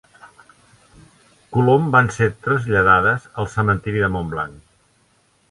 Colom van ser traslladades al cementiri de Montblanc.